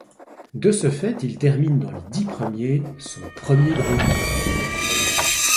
De ce fait, il termine dans les dix premiers, son premier grand tour.